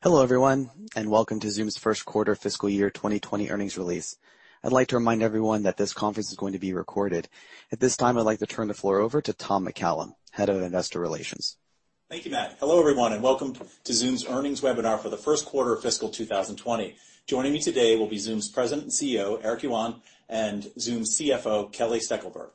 Hello, everyone, welcome to Zoom's first quarter fiscal year 2020 earnings release. I'd like to remind everyone that this conference is going to be recorded. At this time, I'd like to turn the floor over to Tom McCallum, Head of Investor Relations. Thank you, Matt. Hello, everyone, welcome to Zoom's earnings webinar for the first quarter of fiscal 2020. Joining me today will be Zoom's President and CEO, Eric Yuan, Zoom's CFO, Kelly Steckelberg.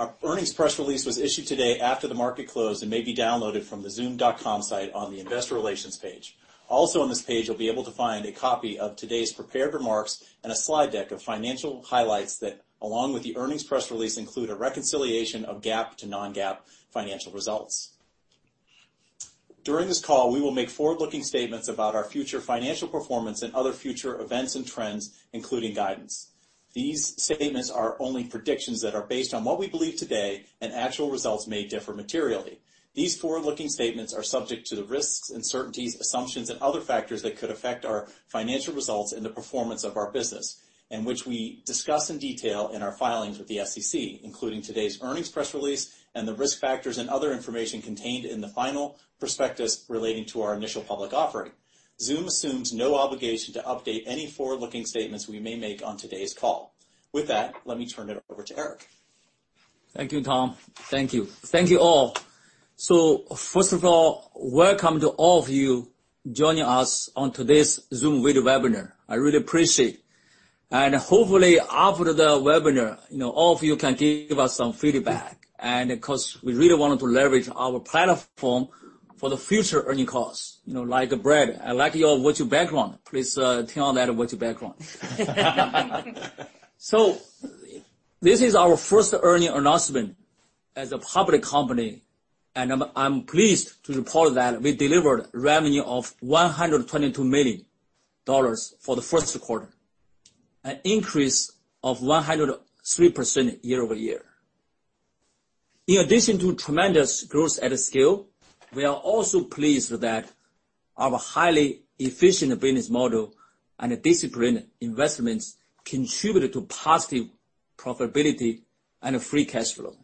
Our earnings press release was issued today after the market closed and may be downloaded from the zoom.com site on the investor relations page. Also on this page, you'll be able to find a copy of today's prepared remarks and a slide deck of financial highlights that, along with the earnings press release, include a reconciliation of GAAP to non-GAAP financial results. During this call, we will make forward-looking statements about our future financial performance and other future events and trends, including guidance. These statements are only predictions that are based on what we believe today, actual results may differ materially. These forward-looking statements are subject to the risks, uncertainties, assumptions, and other factors that could affect our financial results and the performance of our business, which we discuss in detail in our filings with the SEC, including today's earnings press release and the risk factors and other information contained in the final prospectus relating to our initial public offering. Zoom assumes no obligation to update any forward-looking statements we may make on today's call. With that, let me turn it over to Eric. Thank you, Tom. Thank you. Thank you, all. First of all, welcome to all of you joining us on today's Zoom video webinar. I really appreciate it. Hopefully, after the webinar, all of you can give us some feedback. Of course, we really wanted to leverage our platform for the future earning calls. Like Brad, I like your virtual background. Please turn on that virtual background. This is our first earning announcement as a public company, I'm pleased to report that we delivered revenue of $122 million for the first quarter, an increase of 103% year-over-year. In addition to tremendous growth at scale, we are also pleased that our highly efficient business model and disciplined investments contributed to positive profitability and free cash flow.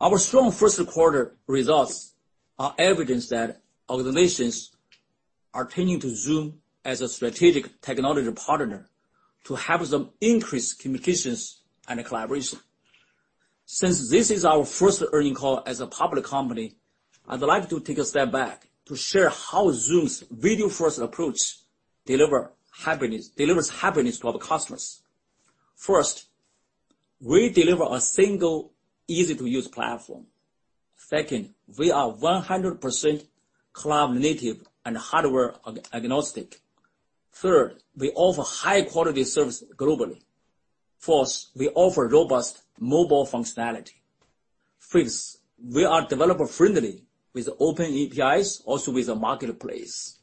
Our strong first quarter results are evidence that organizations are turning to Zoom as a strategic technology partner to help them increase communications and collaboration. Since this is our first earnings call as a public company, I'd like to take a step back to share how Zoom's video-first approach delivers happiness to our customers. First, we deliver a single easy-to-use platform. Second, we are 100% cloud-native and hardware agnostic. Third, we offer high-quality service globally. Fourth, we offer robust mobile functionality. Fifth, we are developer-friendly with open APIs, also with a marketplace.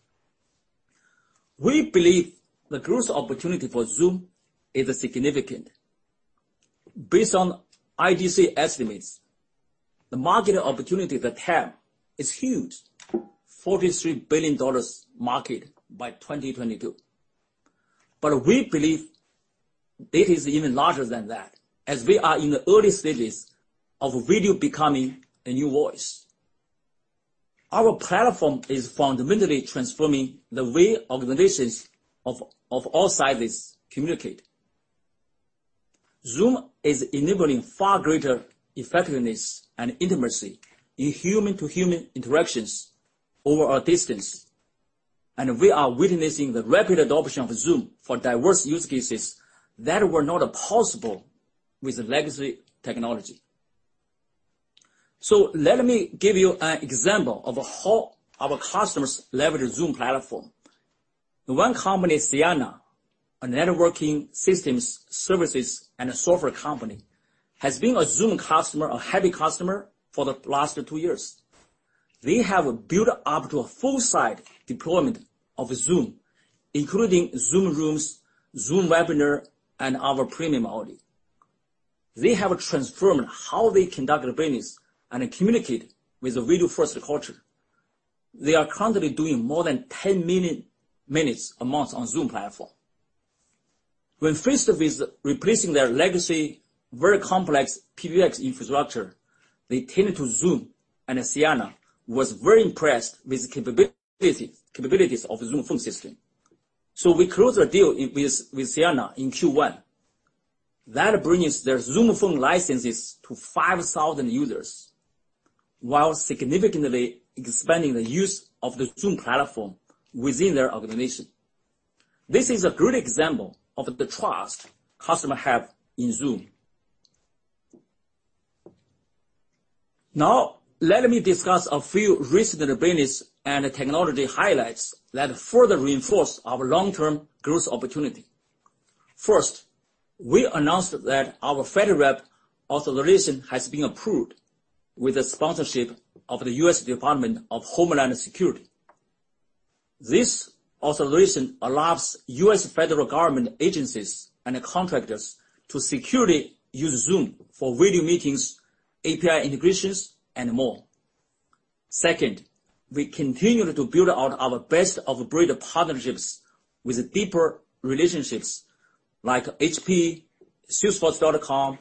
We believe the growth opportunity for Zoom is significant. Based on IDC estimates, the market opportunity, the TAM, is huge, a $43 billion market by 2022. We believe it is even larger than that, as we are in the early stages of video becoming a new voice. Our platform is fundamentally transforming the way organizations of all sizes communicate. Zoom is enabling far greater effectiveness and intimacy in human-to-human interactions over a distance, we are witnessing the rapid adoption of Zoom for diverse use cases that were not possible with legacy technology. Let me give you an example of how our customers leverage Zoom platform. One company, Ciena, a networking systems, services, and a software company, has been a Zoom customer, a heavy customer, for the last two years. They have built up to a full-site deployment of Zoom, including Zoom Rooms, Zoom Webinar, and our premium audio. They have transformed how they conduct their business and communicate with a video-first culture. They are currently doing more than 10 million minutes a month on Zoom platform. When faced with replacing their legacy, very complex PBX infrastructure, they turned to Zoom, Ciena was very impressed with the capabilities of Zoom Phone system. We closed a deal with Ciena in Q1. That brings their Zoom Phone licenses to 5,000 users, while significantly expanding the use of the Zoom platform within their organization. This is a good example of the trust customer have in Zoom. Now, let me discuss a few recent business and technology highlights that further reinforce our long-term growth opportunity. First, we announced that our FedRAMP authorization has been approved with the sponsorship of the U.S. Department of Homeland Security. This authorization allows U.S. federal government agencies and contractors to securely use Zoom for video meetings, API integrations, and more. Second, we continue to build out our best-of-breed partnerships with deeper relationships like HP, Salesforce.com,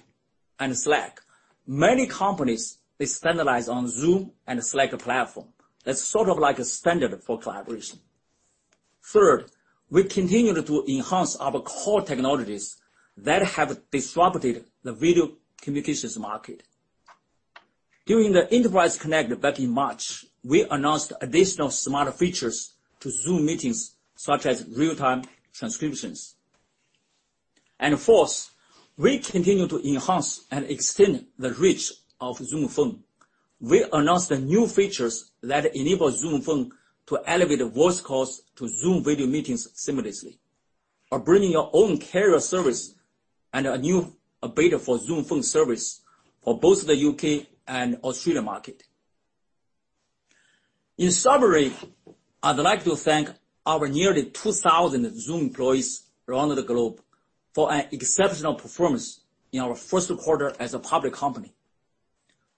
and Slack. Many companies, they standardize on Zoom and Slack platform. That's sort of like a standard for collaboration. Third, we continue to enhance our core technologies that have disrupted the video communications market. During the Enterprise Connect back in March, we announced additional smarter features to Zoom Meetings, such as real-time transcriptions. Fourth, we continue to enhance and extend the reach of Zoom Phone. We announced the new features that enable Zoom Phone to elevate voice calls to Zoom Video Meetings seamlessly, while bringing your own carrier service and a new beta for Zoom Phone service for both the U.K. and Australia market. In summary, I'd like to thank our nearly 2,000 Zoom employees around the globe for an exceptional performance in our first quarter as a public company.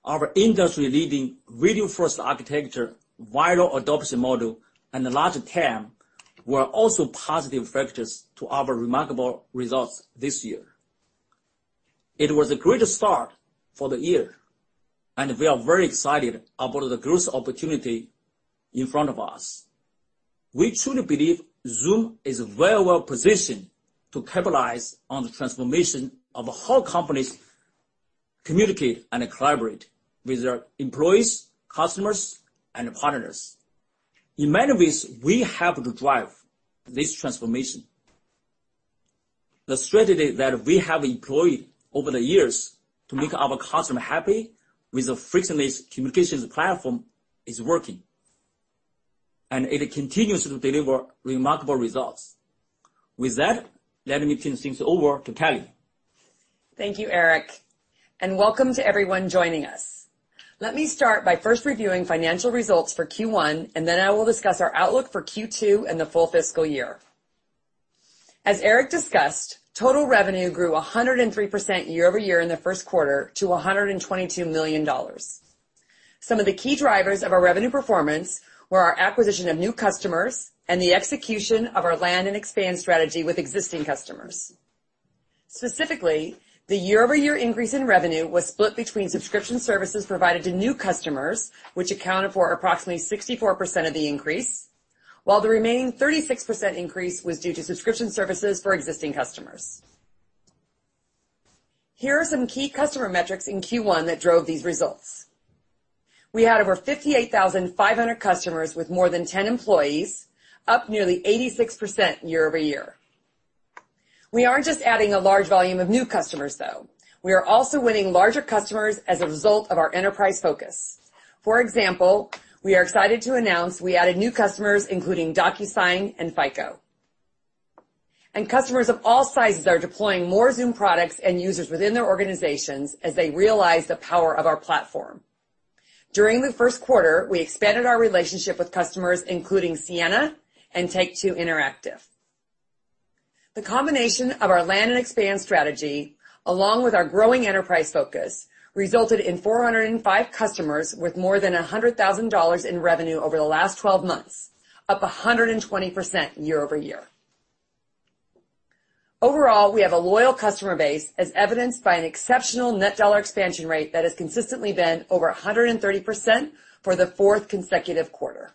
Our industry-leading video-first architecture, viral adoption model, and large TAM were also positive factors to our remarkable results this year. It was a great start for the year, we are very excited about the growth opportunity in front of us. We truly believe Zoom is very well positioned to capitalize on the transformation of how companies communicate and collaborate with their employees, customers, and partners. In many ways, we have to drive this transformation. The strategy that we have employed over the years to make our customer happy with a frictionless communications platform is working, and it continues to deliver remarkable results. With that, let me turn things over to Kelly. Thank you, Eric, and welcome to everyone joining us. Let me start by first reviewing financial results for Q1, then I will discuss our outlook for Q2 and the full fiscal year. As Eric discussed, total revenue grew 103% year-over-year in the first quarter to $122 million. Some of the key drivers of our revenue performance were our acquisition of new customers and the execution of our land and expand strategy with existing customers. Specifically, the year-over-year increase in revenue was split between subscription services provided to new customers, which accounted for approximately 64% of the increase. The remaining 36% increase was due to subscription services for existing customers. Here are some key customer metrics in Q1 that drove these results. We had over 58,500 customers with more than 10 employees, up nearly 86% year-over-year. We aren't just adding a large volume of new customers, though. We are also winning larger customers as a result of our enterprise focus. For example, we are excited to announce we added new customers, including DocuSign and FICO. Customers of all sizes are deploying more Zoom products and users within their organizations as they realize the power of our platform. During the first quarter, we expanded our relationship with customers, including Ciena and Take-Two Interactive. The combination of our land and expand strategy, along with our growing enterprise focus, resulted in 405 customers with more than $100,000 in revenue over the last 12 months, up 120% year-over-year. Overall, we have a loyal customer base as evidenced by an exceptional net dollar expansion rate that has consistently been over 130% for the fourth consecutive quarter.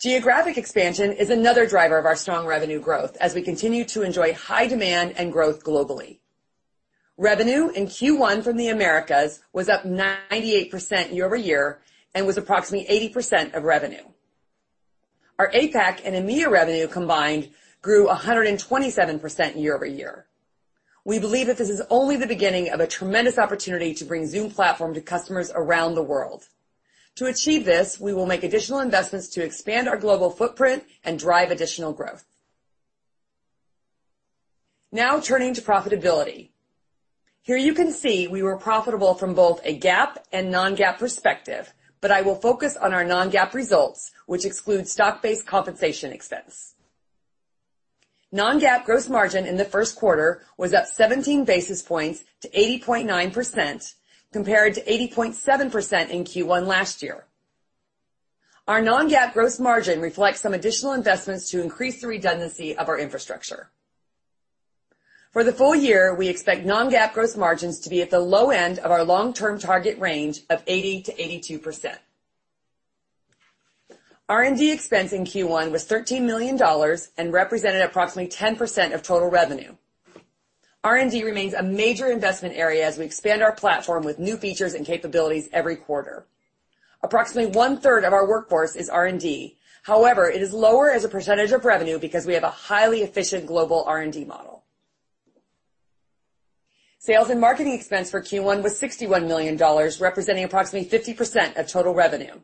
Geographic expansion is another driver of our strong revenue growth as we continue to enjoy high demand and growth globally. Revenue in Q1 from the Americas was up 98% year-over-year and was approximately 80% of revenue. Our APAC and EMEA revenue combined grew 127% year-over-year. We believe that this is only the beginning of a tremendous opportunity to bring Zoom platform to customers around the world. To achieve this, we will make additional investments to expand our global footprint and drive additional growth. Now turning to profitability. Here you can see we were profitable from both a GAAP and non-GAAP perspective, but I will focus on our non-GAAP results, which exclude stock-based compensation expense. Non-GAAP gross margin in the first quarter was up 17 basis points to 80.9%, compared to 80.7% in Q1 last year. Our non-GAAP gross margin reflects some additional investments to increase the redundancy of our infrastructure. For the full year, we expect non-GAAP gross margins to be at the low end of our long-term target range of 80%-82%. R&D expense in Q1 was $13 million and represented approximately 10% of total revenue. R&D remains a major investment area as we expand our platform with new features and capabilities every quarter. Approximately one-third of our workforce is R&D. It is lower as a percentage of revenue because we have a highly efficient global R&D model. Sales and marketing expense for Q1 was $61 million, representing approximately 50% of total revenue.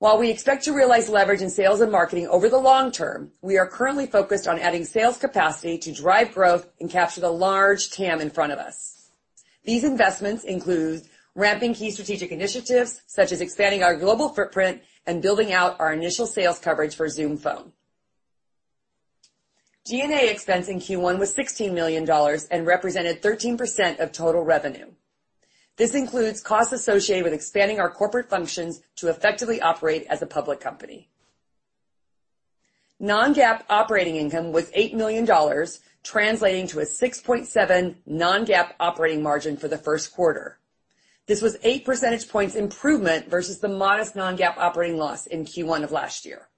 While we expect to realize leverage in sales and marketing over the long term, we are currently focused on adding sales capacity to drive growth and capture the large TAM in front of us. These investments include ramping key strategic initiatives, such as expanding our global footprint and building out our initial sales coverage for Zoom Phone. G&A expense in Q1 was $16 million and represented 13% of total revenue. This includes costs associated with expanding our corporate functions to effectively operate as a public company. Non-GAAP operating income was $8 million, translating to a 6.7 non-GAAP operating margin for the first quarter. This was an 8 percentage points improvement versus the modest non-GAAP operating loss in Q1 of last year.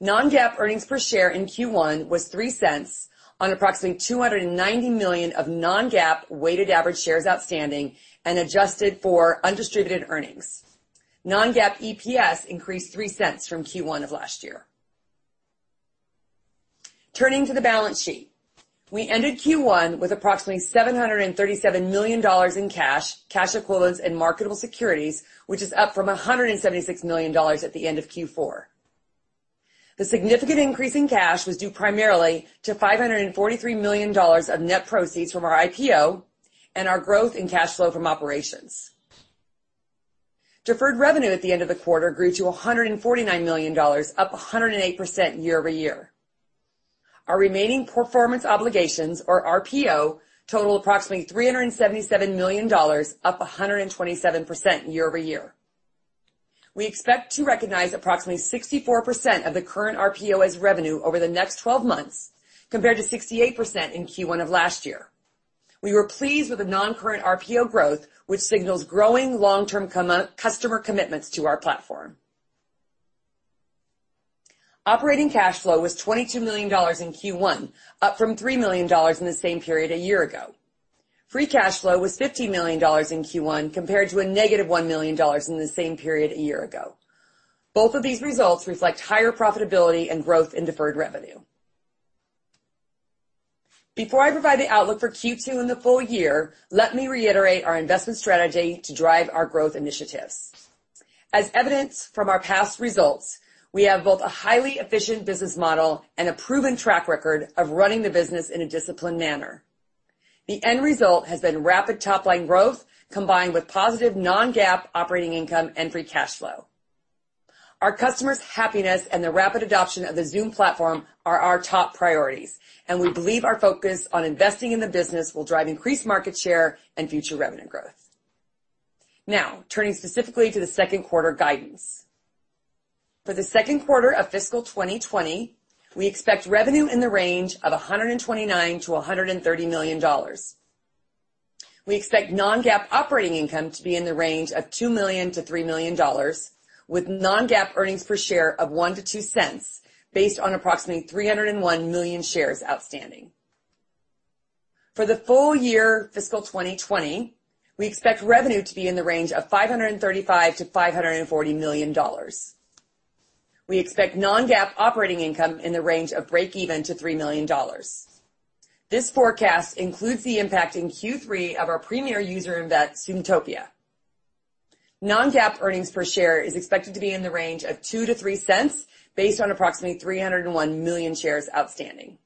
Non-GAAP earnings per share in Q1 was $0.03 on approximately 290 million of non-GAAP weighted average shares outstanding and adjusted for undistributed earnings. Non-GAAP EPS increased $0.03 from Q1 of last year. Turning to the balance sheet, we ended Q1 with approximately $737 million in cash equivalents, and marketable securities, which is up from $176 million at the end of Q4. The significant increase in cash was due primarily to $543 million of net proceeds from our IPO and our growth in cash flow from operations. Deferred revenue at the end of the quarter grew to $149 million, up 108% year-over-year. Our remaining performance obligations, or RPO, totaled approximately $377 million, up 127% year-over-year. We expect to recognize approximately 64% of the current RPO as revenue over the next 12 months, compared to 68% in Q1 of last year. We were pleased with the non-current RPO growth, which signals growing long-term customer commitments to our platform. Operating cash flow was $22 million in Q1, up from $3 million in the same period a year ago. Free cash flow was $15 million in Q1 compared to a negative $1 million in the same period a year ago. Both of these results reflect higher profitability and growth in deferred revenue. Before I provide the outlook for Q2 and the full year, let me reiterate our investment strategy to drive our growth initiatives. As evidenced from our past results, we have both a highly efficient business model and a proven track record of running the business in a disciplined manner. The end result has been rapid top-line growth combined with positive non-GAAP operating income and free cash flow. Our customers' happiness and the rapid adoption of the Zoom platform are our top priorities, and we believe our focus on investing in the business will drive increased market share and future revenue growth. Turning specifically to the second quarter guidance. For the second quarter of fiscal 2020, we expect revenue in the range of $129 million to $130 million. We expect non-GAAP operating income to be in the range of $2 million to $3 million with non-GAAP earnings per share of $0.01 to $0.02 based on approximately 301 million shares outstanding. For the full year fiscal 2020, we expect revenue to be in the range of $535 million to $540 million. We expect non-GAAP operating income in the range of breakeven to $3 million. This forecast includes the impact in Q3 of our premier user event, Zoomtopia. Non-GAAP earnings per share is expected to be in the range of $0.02 to $0.03 based on approximately 301 million shares outstanding.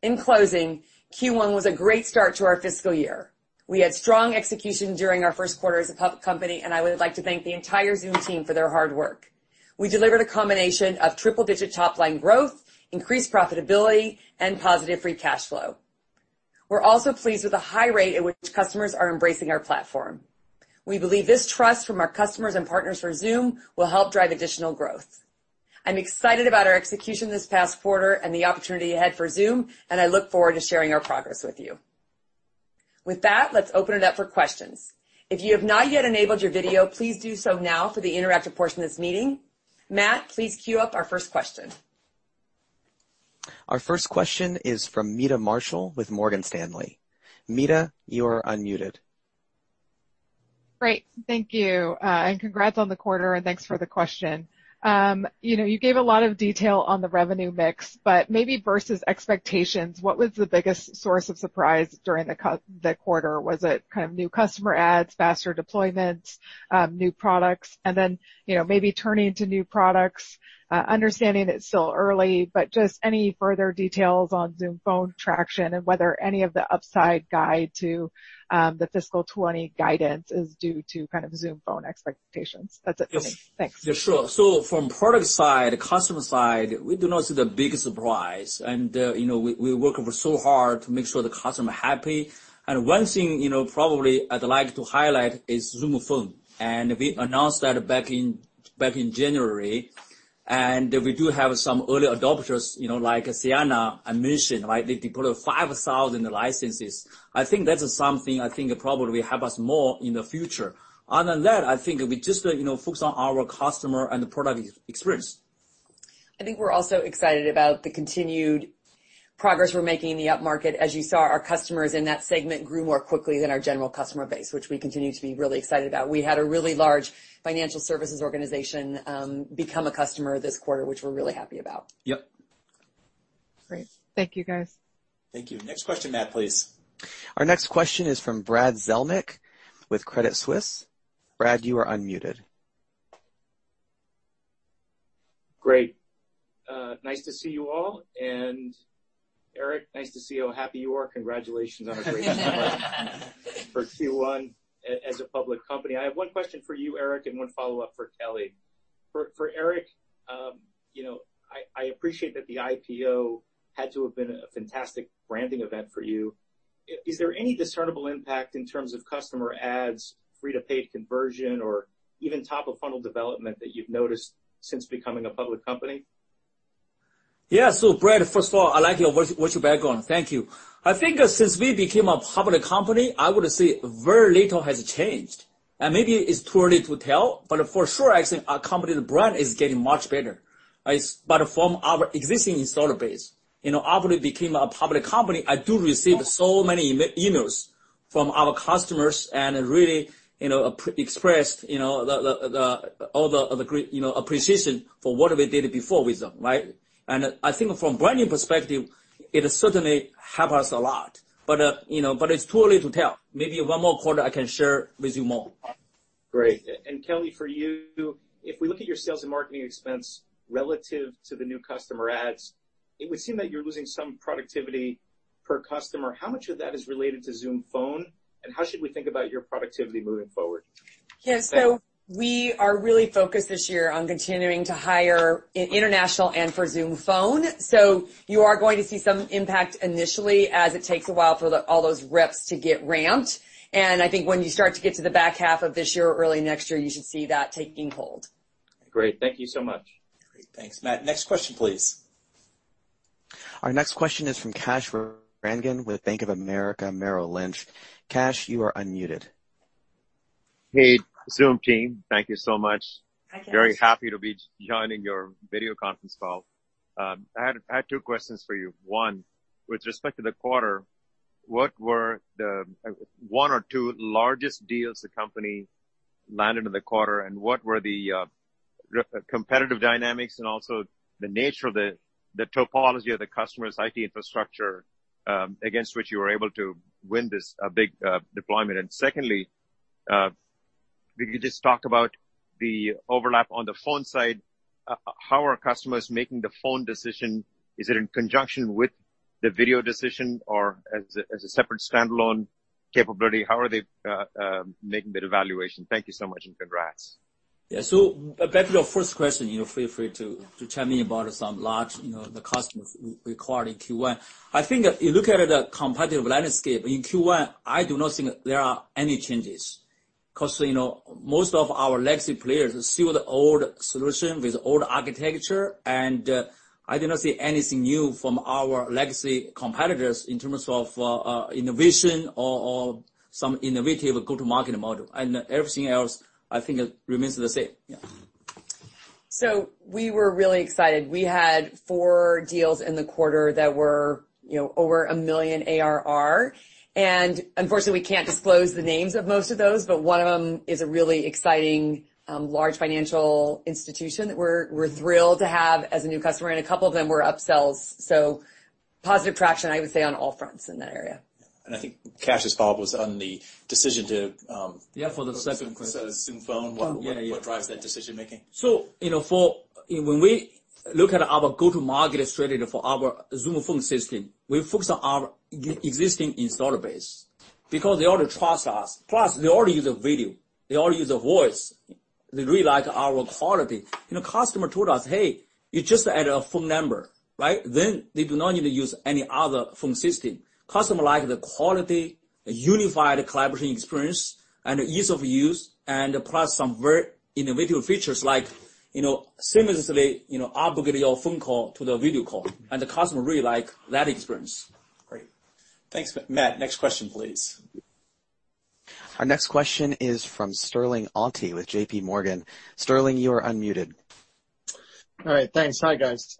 In closing, Q1 was a great start to our fiscal year. We had strong execution during our first quarter as a public company, and I would like to thank the entire Zoom team for their hard work. We delivered a combination of triple-digit top-line growth, increased profitability, and positive free cash flow. We're also pleased with the high rate at which customers are embracing our platform. We believe this trust from our customers and partners for Zoom will help drive additional growth. I'm excited about our execution this past quarter and the opportunity ahead for Zoom, and I look forward to sharing our progress with you. With that, let's open it up for questions. If you have not yet enabled your video, please do so now for the interactive portion of this meeting. Matt, please queue up our first question. Our first question is from Meta Marshall with Morgan Stanley. Meta, you are unmuted. Thank you. Congrats on the quarter, and thanks for the question. Maybe versus expectations, what was the biggest source of surprise during the quarter? Was it kind of new customer adds, faster deployments, new products? Maybe turning to new products, understanding it's still early, but just any further details on Zoom Phone traction and whether any of the upside guide to the fiscal 2020 guidance is due to kind of Zoom Phone expectations. That's it for me. Thanks. Yeah, sure. From product side, customer side, we do not see the biggest surprise. We work so hard to make sure the customer are happy. One thing probably I'd like to highlight is Zoom Phone. We announced that back in January, and we do have some early adopters, like Ciena. I mentioned, right? They deploy 5,000 licenses. I think that's something probably help us more in the future. Other than that, I think we just focus on our customer and the product experience. I think we're also excited about the continued progress we're making in the upmarket. As you saw, our customers in that segment grew more quickly than our general customer base, which we continue to be really excited about. We had a really large financial services organization become a customer this quarter, which we're really happy about. Yep. Great. Thank you, guys. Thank you. Next question, Matt, please. Our next question is from Brad Zelnick with Credit Suisse. Brad, you are unmuted. Great. Nice to see you all and Eric, nice to see how happy you are. Congratulations on a great number for Q1 as a public company. I have one question for you, Eric, and one follow-up for Kelly. For Eric, I appreciate that the IPO had to have been a fantastic branding event for you. Is there any discernible impact in terms of customer adds, free to paid conversion, or even top of funnel development that you've noticed since becoming a public company? Brad, first of all, I like your voice. Watch your back on. Thank you. I think since we became a public company, I would say very little has changed. Maybe it's too early to tell, but for sure, I think our company's brand is getting much better. From our existing installed base. After we became a public company, I do receive so many emails from our customers, really expressed all the great appreciation for what we did before with them, right? I think from branding perspective, it certainly help us a lot. It's too early to tell. Maybe one more quarter, I can share with you more. Great. Kelly, for you, if we look at your sales and marketing expense relative to the new customer adds, it would seem that you're losing some productivity per customer. How much of that is related to Zoom Phone, and how should we think about your productivity moving forward? Yeah. We are really focused this year on continuing to hire in international and for Zoom Phone. You are going to see some impact initially as it takes a while for all those reps to get ramped. I think when you start to get to the back half of this year or early next year, you should see that taking hold. Great. Thank you so much. Great. Thanks, Matt. Next question, please. Our next question is from Kash Rangan with Bank of America Merrill Lynch. Kash, you are unmuted. Hey, Zoom team. Thank you so much. Hi, Kash. Very happy to be joining your video conference call. I had two questions for you. One, with respect to the quarter, what were the one or two largest deals the company landed in the quarter, and what were the competitive dynamics and also the nature of the topology of the customer's IT infrastructure, against which you were able to win this big deployment? Secondly, could you just talk about the overlap on the phone side, how are customers making the phone decision? Is it in conjunction with the video decision or as a separate standalone capability? How are they making that evaluation? Thank you so much and congrats. Yeah. Back to your first question, feel free to chime in about some large customers we acquired in Q1. I think if you look at the competitive landscape in Q1, I do not think there are any changes. Because most of our legacy players still the old solution with old architecture. I do not see anything new from our legacy competitors in terms of innovation or some innovative go-to-market model. Everything else, I think remains the same. Yeah. We were really excited. We had four deals in the quarter that were over a million ARR. Unfortunately, we can't disclose the names of most of those. One of them is a really exciting, large financial institution that we're thrilled to have as a new customer. A couple of them were upsells. Positive traction, I would say, on all fronts in that area. I think Kash's follow-up was on the decision to- Yeah, for the second question. Zoom Phone. Yeah, yeah. What drives that decision-making? When we look at our go-to-market strategy for our Zoom Phone system, we focus on our existing installer base because they already trust us. They already use the video, they already use the voice. They really like our quality. Customer told us, "Hey, you just add a phone number." Right? They do not need to use any other phone system. Customer like the quality, unified collaboration experience, and ease of use, plus some very individual features like seamlessly upgrading your phone call to the video call. The customer really like that experience. Great. Thanks. Matt, next question, please. Our next question is from Sterling Auty with JP Morgan. Sterling, you are unmuted. All right. Thanks. Hi, guys.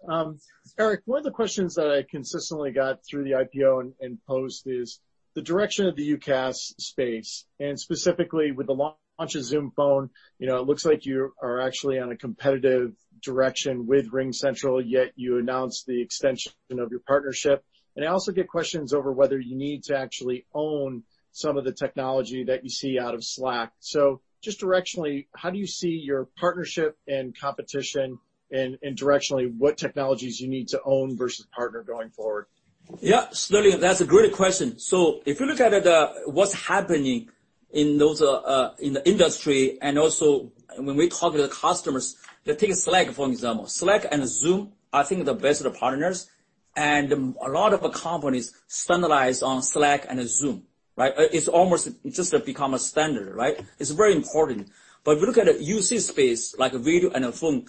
Eric, one of the questions that I consistently got through the IPO and post is the direction of the UCaaS space. Specifically with the launch of Zoom Phone, it looks like you are actually on a competitive direction with RingCentral, yet you announced the extension of your partnership. I also get questions over whether you need to actually own some of the technology that you see out of Slack. Just directionally, how do you see your partnership and competition, and directionally, what technologies you need to own versus partner going forward? Yeah. Sterling, that's a great question. If you look at what's happening in the industry and also when we talk to the customers, they take Slack, for example. Slack and Zoom are, I think, the best partners. A lot of companies standardize on Slack and Zoom. Right? It's almost just become a standard, right? It's very important. If you look at the UC space, like video and phone,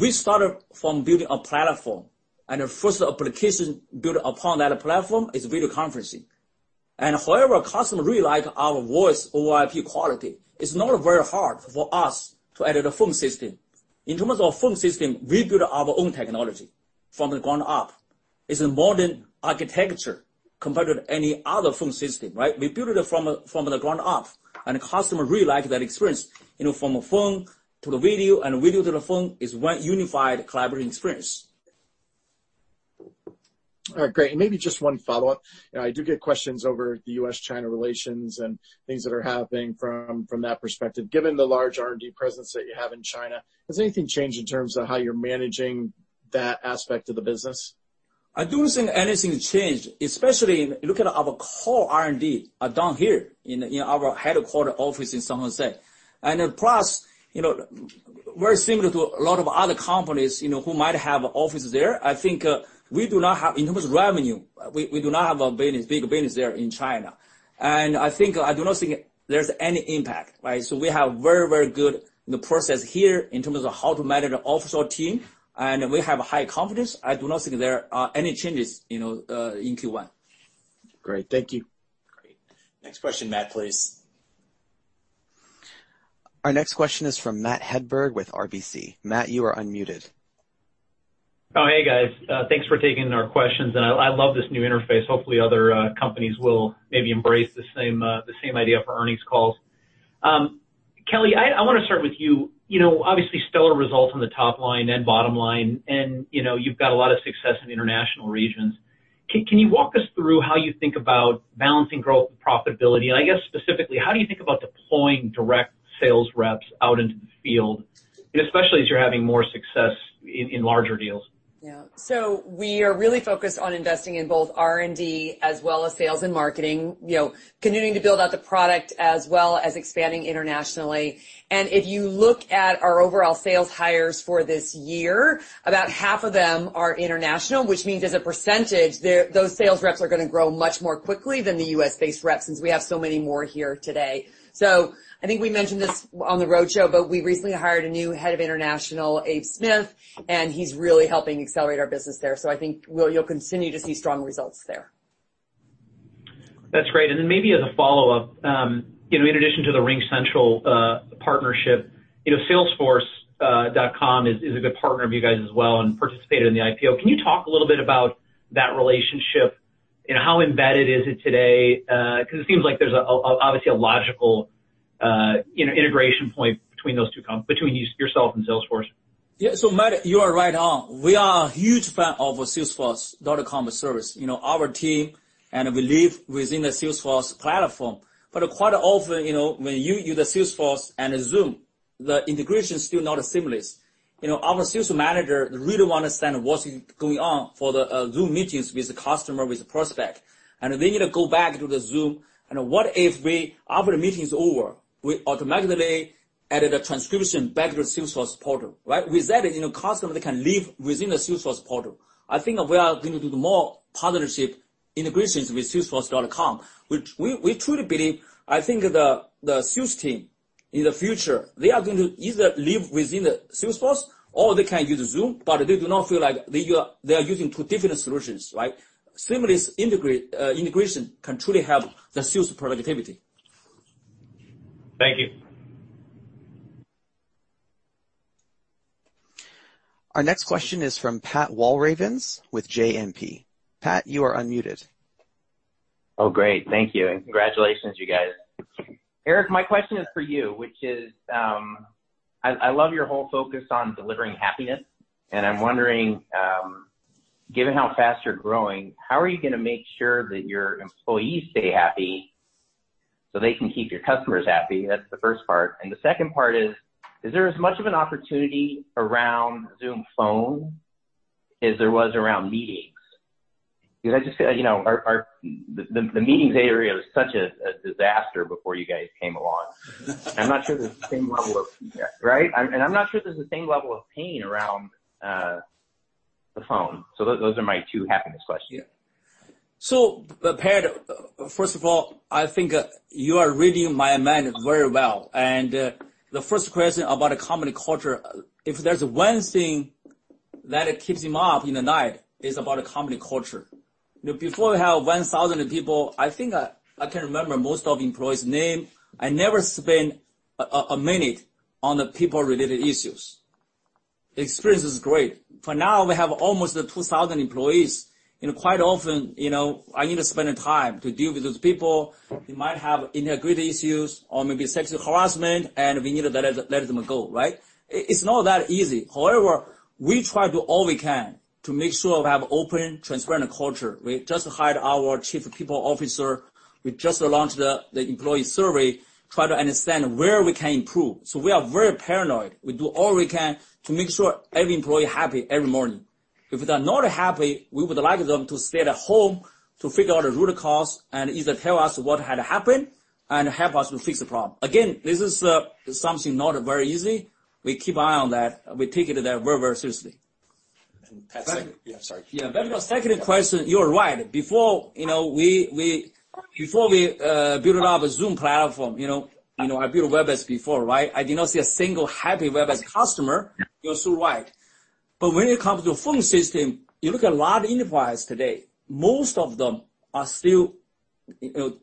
we started from building a platform. The first application built upon that platform is video conferencing. However customer really like our voice or IP quality, it's not very hard for us to add a phone system. In terms of phone system, we build our own technology from the ground up. It's a modern architecture compared with any other phone system, right? We build it from the ground up, and customer really like that experience. From a phone to the video and video to the phone is one unified collaborative experience. All right, great. Maybe just one follow-up. I do get questions over the U.S.-China relations and things that are happening from that perspective. Given the large R&D presence that you have in China, has anything changed in terms of how you're managing that aspect of the business? I don't think anything changed, especially if you look at our core R&D are done here in our headquarter office in San Jose. Plus, very similar to a lot of other companies who might have offices there, I think we do not have in terms of revenue, we do not have a big business there in China. I do not think there's any impact. We have very good process here in terms of how to manage the offshore team, and we have high confidence. I do not think there are any changes in Q1. Great. Thank you. Great. Next question, Matt, please. Our next question is from Matthew Hedberg with RBC. Matt, you are unmuted. Oh, hey, guys. Thanks for taking our questions. I love this new interface. Hopefully, other companies will maybe embrace the same idea for earnings calls. Kelly, I want to start with you. Obviously, stellar results on the top line and bottom line, you've got a lot of success in international regions. Can you walk us through how you think about balancing growth and profitability? I guess specifically, how do you think about deploying direct sales reps out into the field, especially as you're having more success in larger deals? Yeah. We are really focused on investing in both R&D as well as sales and marketing, continuing to build out the product as well as expanding internationally. If you look at our overall sales hires for this year, about half of them are international, which means as a percentage, those sales reps are going to grow much more quickly than the U.S.-based reps since we have so many more here today. I think we mentioned this on the road show, but we recently hired a new head of international, Abe Smith. He's really helping accelerate our business there. I think you'll continue to see strong results there. That's great. Maybe as a follow-up, in addition to the RingCentral partnership, salesforce.com is a good partner of you guys as well and participated in the IPO. Can you talk a little bit about that relationship? How embedded is it today? Because it seems like there's obviously a logical integration point between those two companies, between yourself and Salesforce. Yeah. Matt, you are right on. We are a huge fan of salesforce.com service. Our team and we live within the Salesforce platform. Quite often, when you use Salesforce and Zoom, the integration is still not seamless. Our sales manager really want to understand what's going on for the Zoom meetings with the customer, with the prospect, and they need to go back to the Zoom, and what if after the meeting is over, we automatically added a transcription back to the Salesforce portal, right? With that, the customer can live within the Salesforce portal. I think we are going to do more partnership integrations with salesforce.com, which we truly believe, I think the sales team in the future, they are going to either live within the Salesforce or they can use Zoom, but they do not feel like they are using two different solutions, right? Seamless integration can truly help the sales productivity. Thank you. Our next question is from Pat Walravens with JMP. Pat, you are unmuted. Oh, great. Thank you, congratulations, you guys. Eric, my question is for you, which is, I love your whole focus on delivering happiness, and I'm wondering, given how fast you're growing, how are you going to make sure that your employees stay happy so they can keep your customers happy? That's the first part. The second part is there as much of an opportunity around Zoom Phone as there was around meetings? Because the meetings area was such a disaster before you guys came along. I'm not sure there's the same level of Right? I'm not sure there's the same level of pain around the phone. Those are my two happiness questions. Yeah. Pat, first of all, I think you are reading my mind very well. The first question about a company culture, if there's one thing that keeps me up in the night is about a company culture. Before we have 1,000 people, I think I can remember most of employees' name. I never spent a minute on the people-related issues. Experience is great. For now, we have almost 2,000 employees. Quite often, I need to spend time to deal with those people. They might have integrity issues or maybe sexual harassment, and we need to let them go, right? It's not that easy. However, we try to do all we can to make sure we have open, transparent culture. We just hired our chief people officer. We just launched the employee survey, try to understand where we can improve. We are very paranoid. We do all we can to make sure every employee happy every morning. If they are not happy, we would like them to stay at home to figure out a root cause and either tell us what had happened and help us to fix the problem. Again, this is something not very easy. We keep an eye on that. We take it very seriously. Pat, second- But- Yeah, sorry. Yeah. The second question, you are right. Before we build up a Zoom platform, I built Webex before, right? I did not see a single happy Webex customer. You're so right. When it comes to phone system, you look at a lot of enterprise today, most of them are still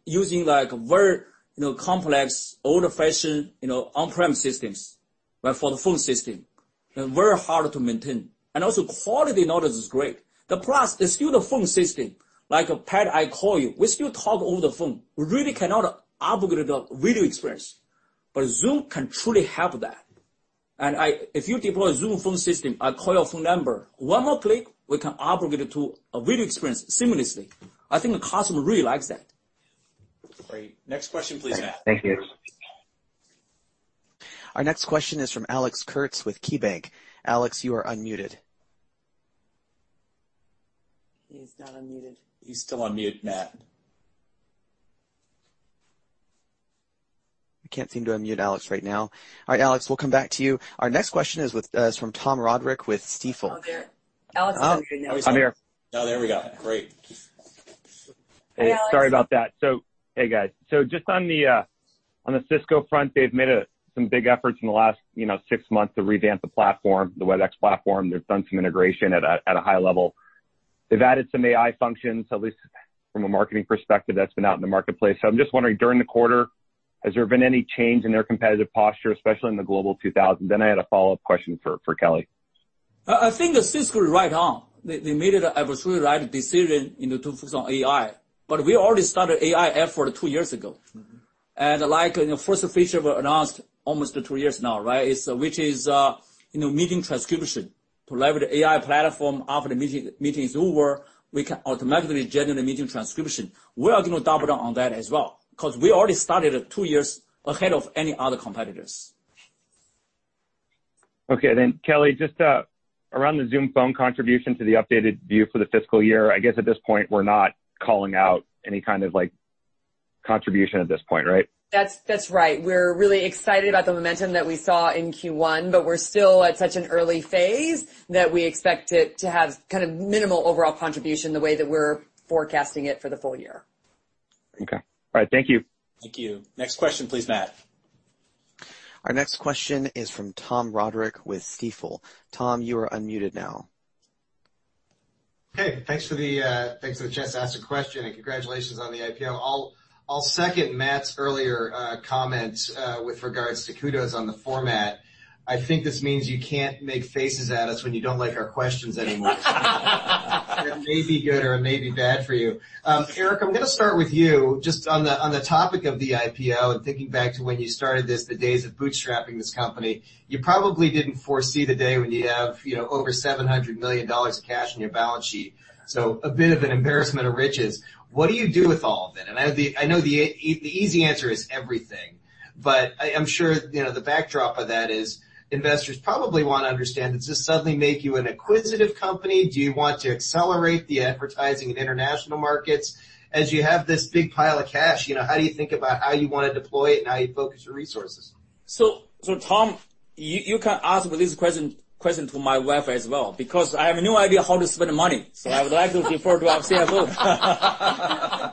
using very complex, old-fashioned on-prem systems for the phone system, and very hard to maintain. Also quality not as great. Plus, it's still the phone system. Like Pat, I call you, we still talk over the phone. We really cannot upgrade the video experience. Zoom can truly have that. If you deploy Zoom Phone system, I call your phone number, one more click, we can upgrade it to a video experience seamlessly. I think the customer really likes that. Great. Next question please, Matt. Thank you. Our next question is from Alex Kurtz with KeyBanc. Alex, you are unmuted. He is not unmuted. He's still on mute, Matt. I can't seem to unmute Alex right now. All right, Alex, we'll come back to you. Our next question is from Tom Roderick with Stifel. Oh, there. Alex is unmuted now. I'm here. Oh, there we go. Great. Hey, Alex. Hey, guys. Just on the Cisco front, they've made some big efforts in the last six months to revamp the platform, the Webex platform. They've done some integration at a high level. They've added some AI functions, at least from a marketing perspective that's been out in the marketplace. I'm just wondering, during the quarter, has there been any change in their competitive posture, especially in the Global 2000? I had a follow-up question for Kelly. I think that Cisco is right on. They made absolutely the right decision to focus on AI, we already started AI effort two years ago. The first feature was announced almost two years now, right? Which is meeting transcription to leverage the AI platform after the meeting is over, we can automatically generate the meeting transcription. We are going to double down on that as well because we already started two years ahead of any other competitors. Okay. Kelly, just around the Zoom Phone contribution to the updated view for the fiscal year, I guess at this point, we're not calling out any kind of contribution at this point, right? That's right. We're really excited about the momentum that we saw in Q1, we're still at such an early phase that we expect it to have minimal overall contribution the way that we're forecasting it for the full year. Okay. All right. Thank you. Thank you. Next question, please, Matt. Our next question is from Tom Roderick with Stifel. Tom, you are unmuted now. Hey, thanks for the chance to ask a question, congratulations on the IPO. I'll second Matt's earlier comments with regards to kudos on the format. I think this means you can't make faces at us when you don't like our questions anymore. That may be good or it may be bad for you. Eric, I'm going to start with you just on the topic of the IPO and thinking back to when you started this, the days of bootstrapping this company. You probably didn't foresee the day when you'd have over $700 million of cash on your balance sheet. A bit of an embarrassment of riches. What do you do with all of it? I know the easy answer is everything, but I'm sure the backdrop of that is investors probably want to understand, does this suddenly make you an acquisitive company? Do you want to accelerate the advertising in international markets? As you have this big pile of cash, how do you think about how you want to deploy it and how you focus your resources? Tom, you can ask this question to my wife as well, because I have no idea how to spend money. I would like to defer to our CFO.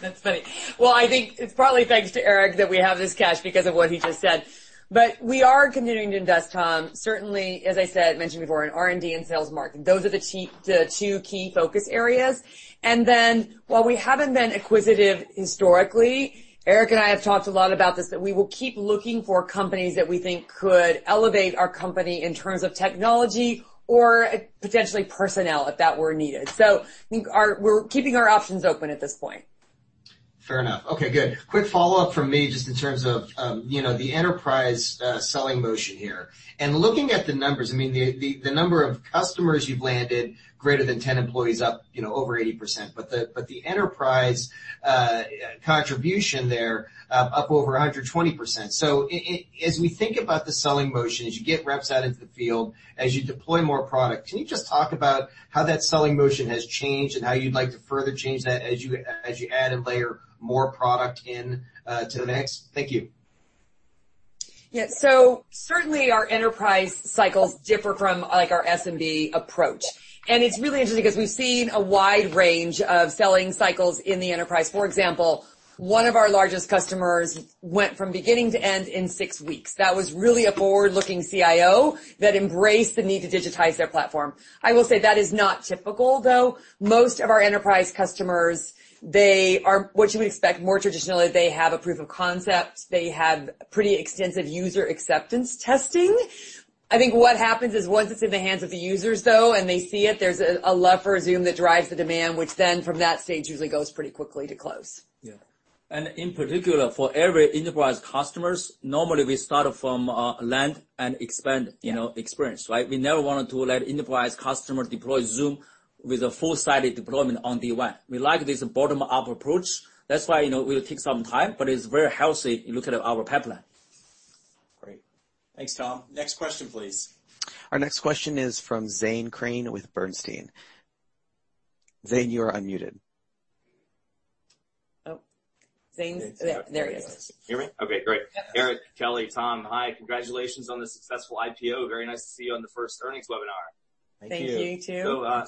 That's funny. Well, I think it's probably thanks to Eric that we have this cash because of what he just said. We are continuing to invest, Tom, certainly, as I said, mentioned before, in R&D and sales marketing, those are the two key focus areas. While we haven't been acquisitive historically, Eric and I have talked a lot about this, that we will keep looking for companies that we think could elevate our company in terms of technology or potentially personnel if that were needed. I think we're keeping our options open at this point. Fair enough. Okay, good. Quick follow-up from me just in terms of the enterprise selling motion here. Looking at the numbers, the number of customers you've landed greater than 10 employees up over 80%, but the enterprise contribution there, up over 120%. As we think about the selling motion, as you get reps out into the field, as you deploy more product, can you just talk about how that selling motion has changed and how you'd like to further change that as you add and layer more product into the mix? Thank you. Yeah. Certainly our enterprise cycles differ from our SMB approach. It's really interesting because we've seen a wide range of selling cycles in the enterprise. For example, one of our largest customers went from beginning to end in six weeks. That was really a forward-looking CIO that embraced the need to digitize their platform. I will say that is not typical, though. Most of our enterprise customers, they are what you would expect, more traditionally, they have a proof of concept. They have pretty extensive user acceptance testing. I think what happens is once it's in the hands of the users, though, and they see it, there's a love for Zoom that drives the demand, which then from that stage usually goes pretty quickly to close. Yeah. In particular, for every enterprise customer, normally we start from land and expand experience, right? We never wanted to let enterprise customers deploy Zoom with a full-sided deployment on day one. We like this bottom-up approach. That's why it will take some time, but it's very healthy if you look at our pipeline. Great. Thanks, Tom. Next question, please. Our next question is from Zane Chrane with Bernstein. Zane, you are unmuted. Oh, Zane. There he is. There you go. Can you hear me? Okay, great. Yes. Eric, Kelly, Tom, hi. Congratulations on the successful IPO. Very nice to see you on the first earnings webinar. Thank you. Thank you, too.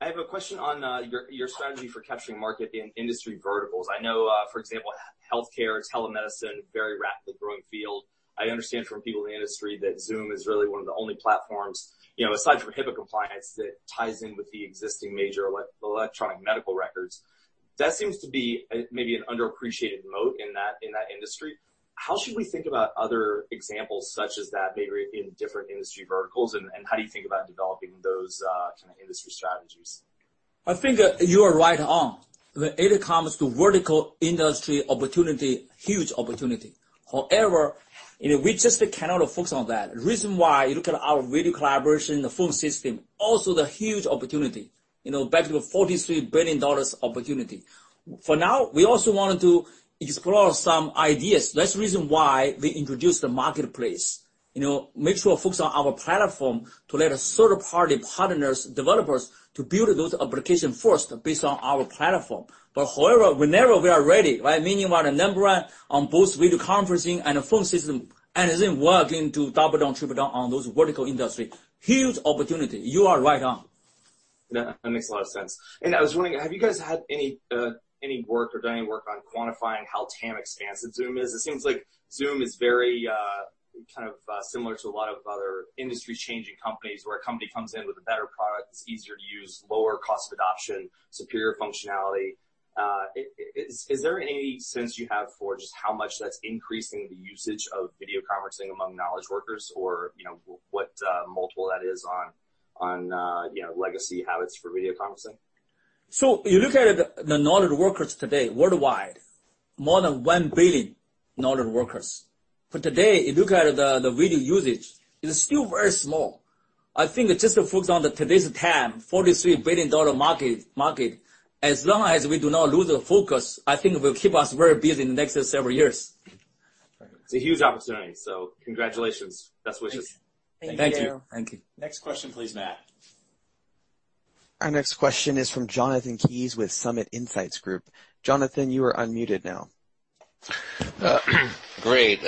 I have a question on your strategy for capturing market in industry verticals. I know, for example, healthcare, telemedicine, very rapidly growing field. I understand from people in the industry that Zoom is really one of the only platforms, aside from HIPAA compliance, that ties in with the existing major electronic medical records. That seems to be maybe an underappreciated moat in that industry. How should we think about other examples such as that maybe in different industry verticals, and how do you think about developing those industry strategies? I think you are right on. When it comes to vertical industry opportunity, huge opportunity. We just cannot focus on that. The reason why, you look at our video collaboration, the phone system, also the huge opportunity. Back to the $43 billion opportunity. For now, we also wanted to explore some ideas. That's the reason why we introduced the marketplace. Make sure to focus on our platform to let third-party partners, developers, build those applications first based on our platform. However, whenever we are ready, meaning we are the number one on both video conferencing and phone system, and Zoom working to double down, triple down on those vertical industry, huge opportunity. You are right on. Yeah, that makes a lot of sense. I was wondering, have you guys had any work or done any work on quantifying how TAM expansive Zoom is? It seems like Zoom is very similar to a lot of other industry-changing companies, where a company comes in with a better product that's easier to use, lower cost of adoption, superior functionality. Is there any sense you have for just how much that's increasing the usage of video conferencing among knowledge workers or, what multiple that is on legacy habits for video conferencing? You look at the knowledge workers today, worldwide, more than 1 billion knowledge workers. For today, if you look at the video usage, it's still very small. I think just to focus on today's TAM, $43 billion market, as long as we do not lose the focus, I think it will keep us very busy in the next several years. It's a huge opportunity. Congratulations. Best wishes. Thank you. Thank you. Thank you. Next question please, Matt. Our next question is from Jonathan Kees with Summit Insights Group. Jonathan, you are unmuted now. Great.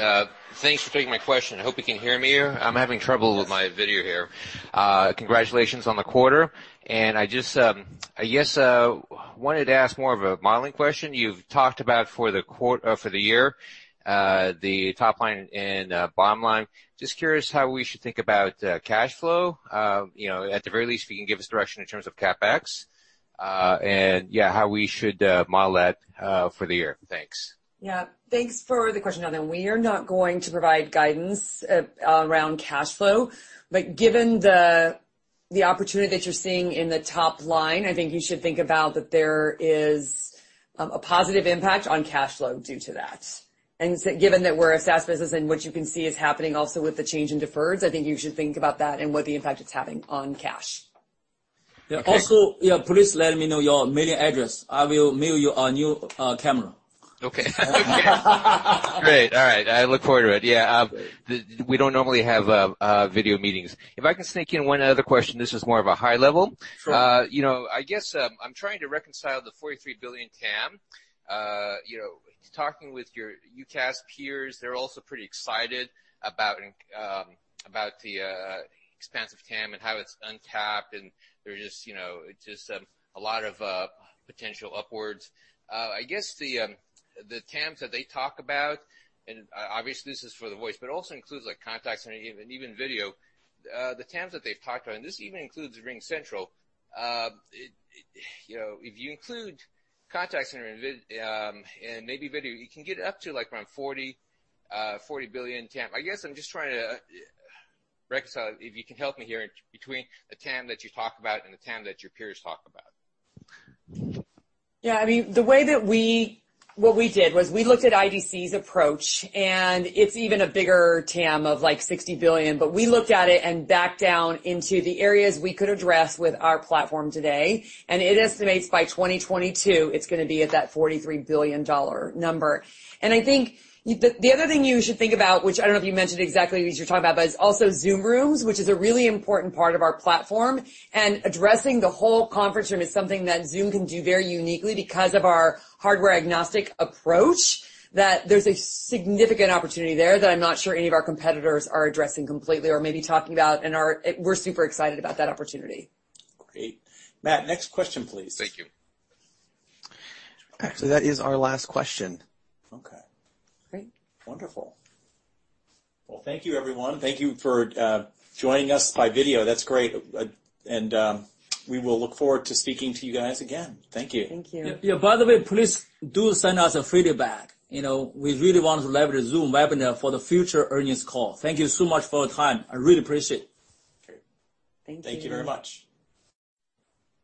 Thanks for taking my question. I hope you can hear me. I'm having trouble with my video here. Congratulations on the quarter. I just wanted to ask more of a modeling question. You've talked about for the year, the top line and bottom line. Just curious how we should think about cash flow, at the very least, if you can give us direction in terms of CapEx, and how we should model that for the year. Thanks. Yeah. Thanks for the question, Jonathan. We are not going to provide guidance around cash flow, but given the opportunity that you're seeing in the top line, I think you should think about that there is a positive impact on cash flow due to that. Given that we're a SaaS business and what you can see is happening also with the change in deferreds, I think you should think about that and what the impact it's having on cash. Okay. Also, please let me know your mailing address. I will mail you a new camera. Okay. Great. All right. I look forward to it. Yeah. We don't normally have video meetings. If I can sneak in one other question, this is more of a high level. Sure. I guess I'm trying to reconcile the $43 billion TAM. Talking with your UCaaS peers, they're also pretty excited about the expansive TAM and how it's untapped and there's just a lot of potential upwards. I guess the TAMs that they talk about, and obviously this is for the voice, but also includes like contacts and even video, the TAMs that they've talked about, and this even includes RingCentral. If you include contact center and maybe video, you can get up to around $40 billion TAM. I guess I'm just trying to reconcile, if you can help me here, between the TAM that you talk about and the TAM that your peers talk about. Yeah, what we did was we looked at IDC's approach, and it's even a bigger TAM of like $60 billion. We looked at it and backed down into the areas we could address with our platform today, and it estimates by 2022, it's going to be at that $43 billion number. I think the other thing you should think about, which I don't know if you mentioned exactly these, you're talking about, but it's also Zoom Rooms, which is a really important part of our platform. Addressing the whole conference room is something that Zoom can do very uniquely because of our hardware-agnostic approach, that there's a significant opportunity there that I'm not sure any of our competitors are addressing completely or maybe talking about, and we're super excited about that opportunity. Great. Matt, next question please. Thank you. Actually, that is our last question. Okay. Great. Wonderful. Well, thank you everyone. Thank you for joining us by video. That's great. We will look forward to speaking to you guys again. Thank you. Thank you. Yeah. By the way, please do send us a feedback. We really want to leverage Zoom Webinar for the future earnings call. Thank you so much for your time. I really appreciate it. Okay. Thank you. Thank you very much.